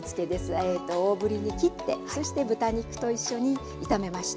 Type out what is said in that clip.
大ぶりに切ってそして豚肉と一緒に炒めました。